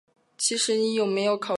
其实你有没有考虑过我的感受？